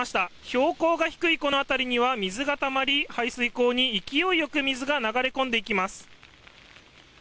標高が低いこの辺りには水がたまり排水溝に勢いよく水が流れ込んでいきます。